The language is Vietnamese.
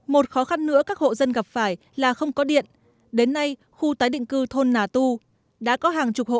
một khó khăn nữa các hộ dân gặp phải là không có điện đến nay khu tái định cư thôn nà tu đã có hàng chục hộ